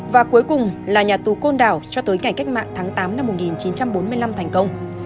và cuối cùng là nhà tù côn đảo cho tới ngày cách mạng tháng tám năm một nghìn chín trăm bốn mươi năm thành công